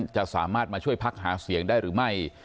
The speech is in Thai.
จะสามารถมาช่วยพักหาเสียงได้หรือไม่